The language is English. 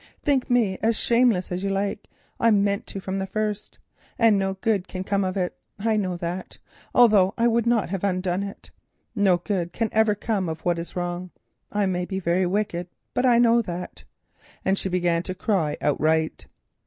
Think me as shameless as you like, I meant to from the first. And no good can come of it, I know that, although I would not have it undone. No good can ever come of what is wrong. I may be very wicked, but I know that——" and she began to cry outright.